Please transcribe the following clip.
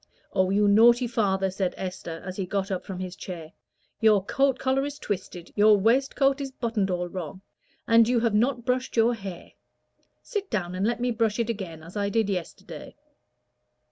"Oh, you naughty father!" said Esther, as he got up from his chair, "your coat collar is twisted, your waistcoat is buttoned all wrong, and you have not brushed your hair. Sit down and let me brush it again as I did yesterday."